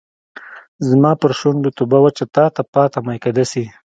زما پر شونډو توبه وچه تاته پاته میکده سي